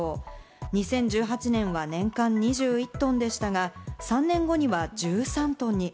２０１８年は年間２１トンでしたが、３年後には１３トンに。